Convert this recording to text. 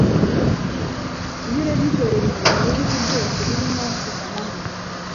iyo urebye icyerekezo ibihugu byose birimo kuganamo